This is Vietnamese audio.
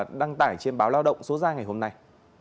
nhà đề được đăng tải trên báo lao động số ra ngày hôm nay